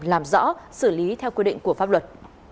làm rõ xử lý theo quy định của pháp luật